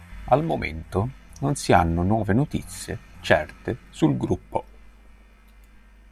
Al momento non si hanno nuove notizie certe sul gruppo.